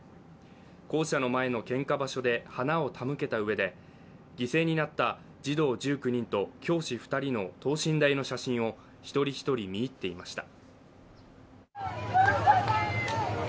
校舎の前の献花場所で花を手向けたうえで犠牲になった児童１９人と教師２人の等身大の写真を一人一人見入っていました。